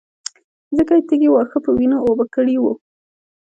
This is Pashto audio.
ځکه يې تږي واښه په وينو اوبه کړي وو.